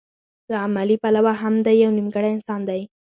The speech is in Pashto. له عملي پلوه هم دی يو نيمګړی انسان وي.